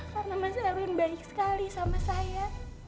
karena mas erwin baik sekali sama saya